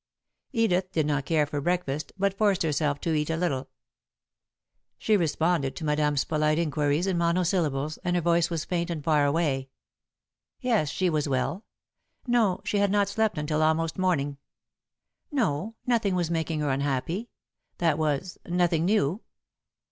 Edith did not care for breakfast but forced herself to eat a little. She responded to Madame's polite inquiries in monosyllables, and her voice was faint and far away. Yes, she was well. No, she had not slept until almost morning. No, nothing was making her unhappy that was, nothing new.